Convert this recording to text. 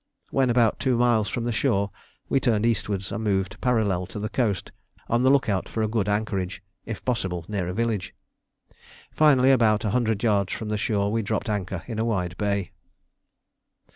When about two miles from the shore we turned eastwards, and moved parallel to the coast, on the look out for a good anchorage, if possible near a village. Finally, about a hundred yards from the shore, we dropped anchor in a wide bay.